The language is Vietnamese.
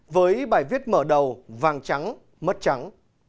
với bài viết mở đầu vàng trắng mất trắng